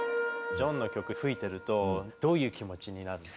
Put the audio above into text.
ジョンの曲吹いてるとどういう気持ちになるの？